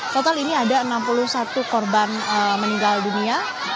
total ini ada enam puluh satu korban meninggal dunia